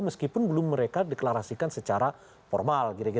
meskipun belum mereka deklarasikan secara formal